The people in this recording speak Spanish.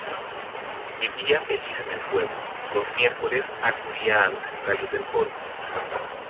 Vivía feliz en el pueblo. Los miércoles acudía a los ensayos del coro.